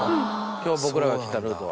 今日僕らが来たルートは。